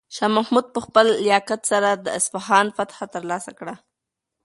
شاه محمود په خپل لیاقت سره د اصفهان فتحه ترلاسه کړه.